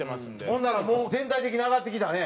ほんならもう全体的に上がってきたね。